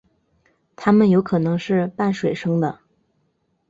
它们有可能是半水生的。